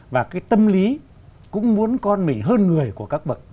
và cái tâm lý cũng muốn con mình hơn người của các bậc